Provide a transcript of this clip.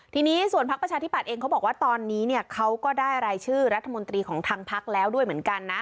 ทีนี้ส่วนพักประชาธิบัตย์เองเขาบอกว่าตอนนี้เนี่ยเขาก็ได้รายชื่อรัฐมนตรีของทางพักแล้วด้วยเหมือนกันนะ